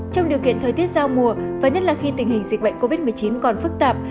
trong điều kiện thời tiết giao mùa và nhất là khi tình hình dịch bệnh covid một mươi chín còn phức tạp